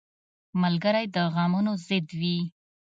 ملګری د غمونو ضد وي